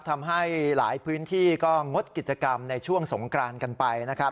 ทำให้หลายพื้นที่ก็งดกิจกรรมในช่วงสงกรานกันไปนะครับ